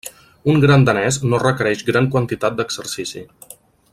Un gran danès no requereix gran quantitat d'exercici.